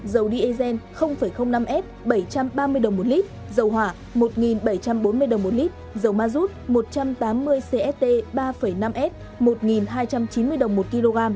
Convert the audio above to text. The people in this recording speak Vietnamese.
dầu diesel năm s bảy trăm ba mươi đồng một lít dầu hỏa một bảy trăm bốn mươi đồng một lít dầu ma rút một trăm tám mươi cst ba năm s một hai trăm chín mươi đồng một kg